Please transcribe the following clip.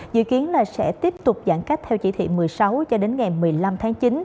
dự kiến là sẽ tiếp tục giãn cách theo chỉ thị một mươi sáu cho đến ngày một mươi năm tháng chín